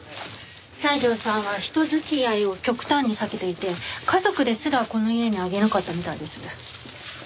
西條さんは人付き合いを極端に避けていて家族ですらこの家に上げなかったみたいです。